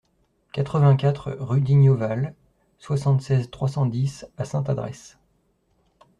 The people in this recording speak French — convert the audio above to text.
quatre-vingt-quatre rue d'Ignauval, soixante-seize, trois cent dix à Sainte-Adresse